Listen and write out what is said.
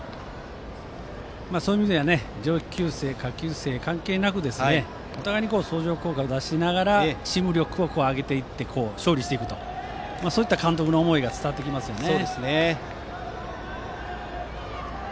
そういう意味では上級生、下級生関係なくお互いに相乗効果を出しながらチーム力を上げていって勝利していくという監督の思いが伝わってきますね。